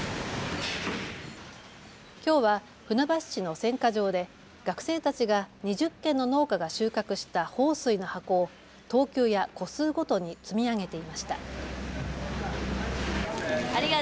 きょうは船橋市の選果場で学生たちが２０軒の農家が収穫した豊水の箱を等級や個数ごとに積み上げていました。